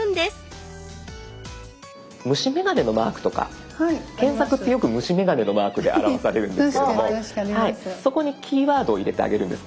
虫眼鏡のマークとか検索ってよく虫眼鏡のマークで表されるんですけれどもそこにキーワードを入れてあげるんです。